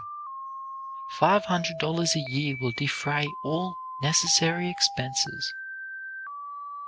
Five hundred dollars a year will defray all necessary expenses.